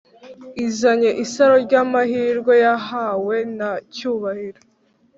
izanye isaro ryamahirwe yahawe na cyubahiro